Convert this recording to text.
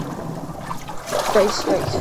ხისებრი მარცვლოვნების სახელწოდება.